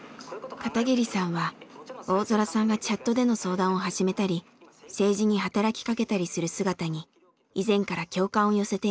片桐さんは大空さんがチャットでの相談を始めたり政治に働きかけたりする姿に以前から共感を寄せていました。